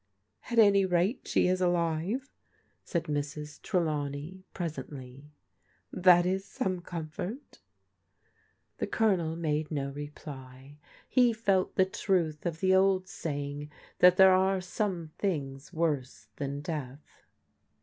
"At any rate she is alive,*' said Mrs. Trelawney, pres ently ;" that is some comfort The Colonel made no reply. He felt the truth of the old saying that there are some things worse than death.